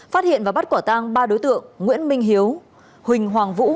phát hiện và bắt quả tang ba đối tượng nguyễn minh hiếu huỳnh hoàng vũ